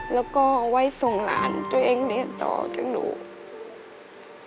และก็เอาไว้ส่งหลานตัวเองไปแรต่อ